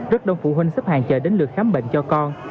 rất đông phụ huynh xếp hàng chờ đến lượt khám bệnh cho con